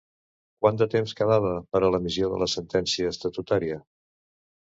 Quant de temps quedava per a l'emissió de la sentència estatutària?